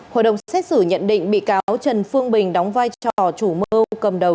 hội đồng xét xử nhận định bị cáo trần phương bình đóng vai trò chủ mưu cầm đầu